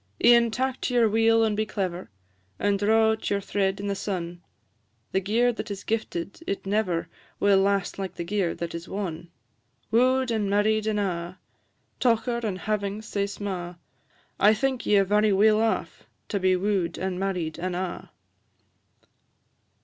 E'en tak to your wheel and be clever, And draw out your thread in the sun; The gear that is gifted, it never Will last like the gear that is won. Woo'd, and married, an' a', Tocher and havings sae sma'; I think ye are very weel aff To be woo'd, and married, and a'."